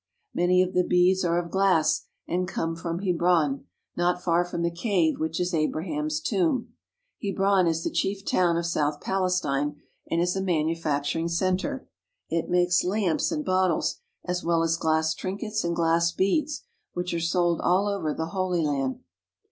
Many of the beads are of glass and come from Hebron, not far from the cave which is Abra ham's tomb. Hebron is the chief town of south Pales tine and is a manufacturing centre. It makes lamps and bottles as well as glass trinkets and glass beads, which are sold all over the Holy Land.